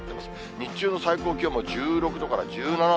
日中の最高気温も１６度から１７度。